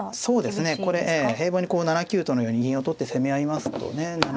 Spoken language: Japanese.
そうですねこれ平凡にこう７九とのように銀を取って攻め合いますとね